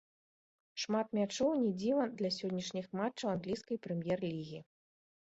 Шмат мячоў не дзіва для сённяшніх матчаў англійскай прэм'ер-лігі.